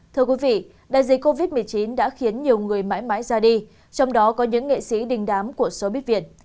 thưa quý vị đại dịch covid một mươi chín đã khiến nhiều người mãi mãi ra đi trong đó có những nghệ sĩ đình đám của shopitviet